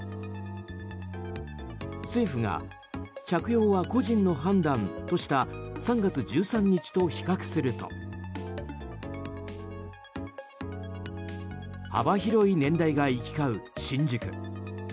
政府が、着用は個人の判断とした３月１３日と比較すると幅広い年代が行き交う新宿。